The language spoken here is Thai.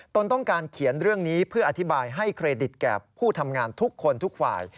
ตนต้องการเขียนเรื่องนี้เพื่ออธิบายให้เครดิตแก่ผู้ทำงานทุกคนทุกฝ่าย